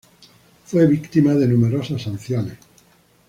Fue víctima de numerosas sanciones.